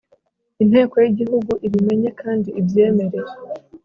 inteko y igihugu ibimenye kandi ibyemere